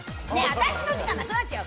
私の時間なくなっちゃう。